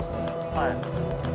はい。